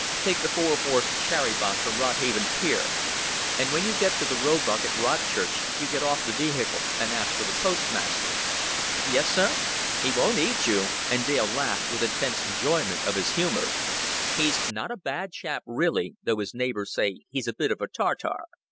Take the four horse sharrybank from Rodhaven pier and when you get to the Roebuck at Rodchurch, you get off of the vehicle and ask for the Postmaster." "Yes, sir?" "He won't eat you," and Dale laughed with intense enjoyment of his humor. "He's not a bad chap really, though his neighbors say he's a bit of a Tartar.